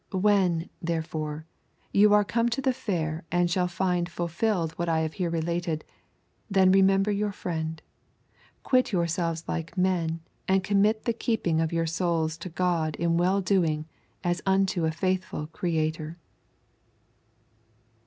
When, therefore, you are come to the Fair and shall find fulfilled what I have here related, then remember your friend; quit yourselves like men, and commit the keeping of your souls to your God in well doing as unto a faithful Creator.'